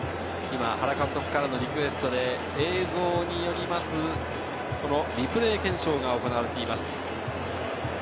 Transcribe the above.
原監督からのリクエストで、映像によるリプレー検証が行われています。